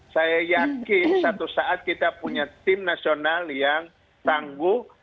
saya yakin satu saat kita punya tim nasional yang tangguh